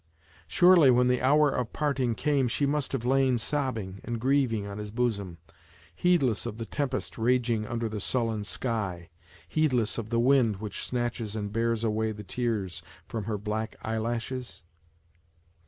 Surely when the hour of parting came she must have lain sobbing and grieving on his bosom, heedless of the tempest raging under the sullen sky, heedless of the wind which snatches and bears away the tears from her black eyelashes